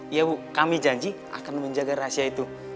ya bu kami janji akan menjaga rahasia itu